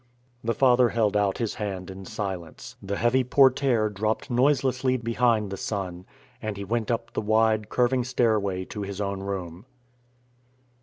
The father held out his hand in silence. The heavy portiere dropped noiselessly behind the son, and he went up the wide, curving stairway to his own room.